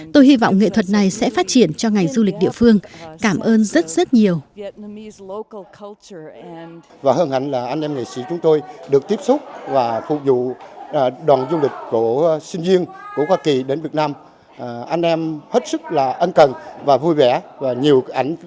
tôi hy vọng nghệ thuật này sẽ phát triển cho ngành du lịch địa phương cảm ơn rất rất nhiều